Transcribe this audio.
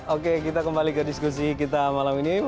oke kita kembali ke diskusi kita malam ini